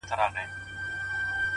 هغې ويله ځمه د سنگسار مخه يې نيسم ـ